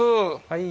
はい。